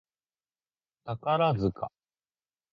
宝塚